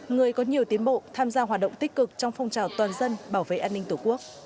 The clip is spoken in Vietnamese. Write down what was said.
người có nhiều tiến bộ tham gia hoạt động tích cực trong phong trào toàn dân bảo vệ an ninh tổ quốc